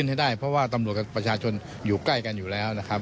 ว่าในการทำสำนวนเป็นยังไงที่มาที่ไปนะครับ